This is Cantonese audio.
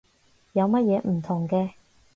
有乜嘢唔同嘅？